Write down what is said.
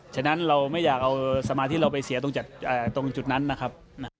ฉะนั้นเราไม่อยากเอาสมาธิเราไปเสียตรงจุดนั้นนะครับ